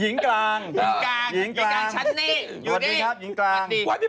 ยิงกลางันอันนี้อยู่นี่